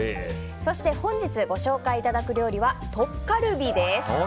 そして本日ご紹介いただく料理はトッカルビです。